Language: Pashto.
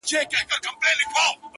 د گران صفت كومه؛